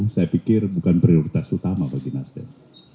saya pikir bukan prioritas utama bagi nasdem